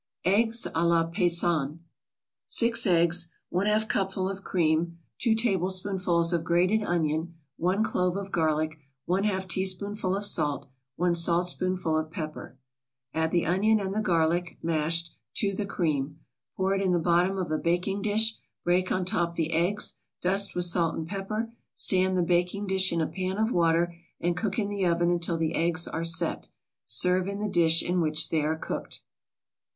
EGGS A LA PAYSANNE 6 eggs 1/2 cupful of cream 2 tablespoonfuls of grated onion 1 clove of garlic 1/2 teaspoonful of salt 1 saltspoonful of pepper Add the onion and the garlic, mashed, to the cream; pour it in the bottom of a baking dish, break on top the eggs, dust with salt and pepper, stand the baking dish in a pan of water and cook in the oven until the eggs are "set." Serve in the dish in which they are cooked.